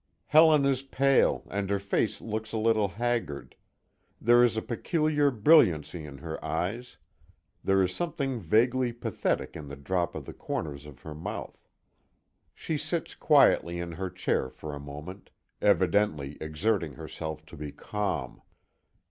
Helen is pale, and her face looks a little haggard; there is a peculiar brilliancy in her eyes; there is something vaguely pathetic in the droop of the corners of her mouth. She sits quietly in her chair for a moment, evidently exerting herself to be calm.